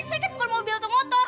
saya kan bukan mau beli motor